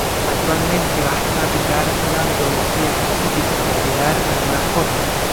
Actualmente basta aplicar una metodología específica para llegar a nuevas formas.